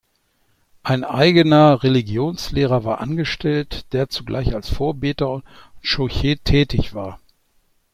Ein eigener Religionslehrer war angestellt, der zugleich als Vorbeter und Schochet tätig war.